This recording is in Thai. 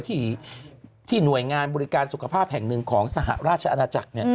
ที่หน่วยงานบริการสุขภาพแห่งหนึ่งของสหราชอาณาจักร